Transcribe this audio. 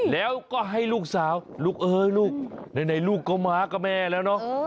แล้วก็ให้ลูกสาวลูกเอ้ยลูกไหนลูกก็มากับแม่แล้วเนอะ